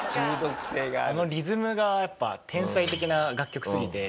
あのリズムがやっぱ天才的な楽曲すぎて。